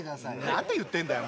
何て言ってんだよ